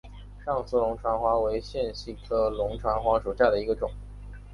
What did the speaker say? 上思龙船花为茜草科龙船花属下的一个种。